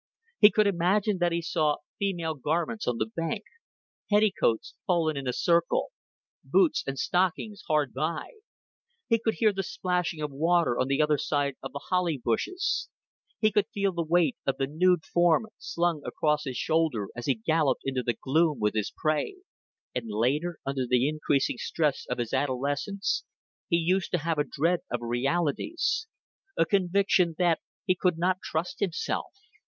He could imagine that he saw female garments on the bank, petticoats fallen in a circle, boots and stockings hard by; he could hear the splashing of water on the other side of the holly bushes; he could feel the weight of the nude form slung across his shoulder as he galloped into the gloom with his prey. And later, under the increasing stress of his adolescence, he used to have a dread of realities a conviction that he could not trust himself.